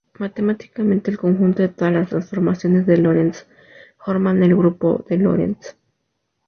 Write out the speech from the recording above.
Matemáticamente el conjunto de todas las transformaciones de Lorentz forman el grupo de Lorentz.